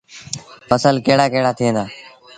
ڦسل ڪهڙآ ڪهڙآ ٿئيٚݩ دآ۔